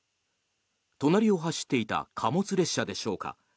隣を走っていた貨物列車でしょうか